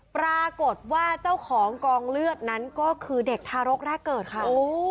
ปรากฏว่าเจ้าของกองเลือดนั้นก็คือเด็กทารกแรกเกิดค่ะ